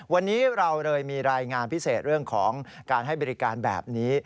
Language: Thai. วันนี้เราเลยมีรายงานพิเศษเรื่องของการให้บริการแบบนี้